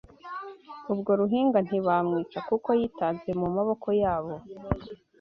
Ubwo Ruhinga ntibamwica kuko yitanze mu maboko yabo